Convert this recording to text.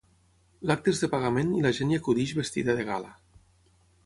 L'acte és de pagament i la gent hi acudeix vestida de gala.